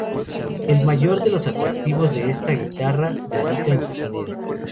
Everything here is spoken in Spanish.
El mayor de los atractivos de esta guitarra radica en su sonido.